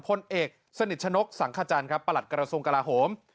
พลเอกสนิทชนกสังขจรปรัตกรสงค์กราโฮม